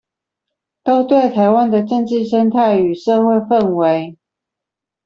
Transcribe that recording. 都對臺灣的政治生態與社會氛圍